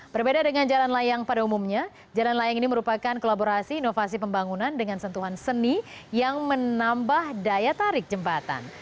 berbeda dengan jalan layang pada umumnya jalan layang ini merupakan kolaborasi inovasi pembangunan dengan sentuhan seni yang menambah daya tarik jembatan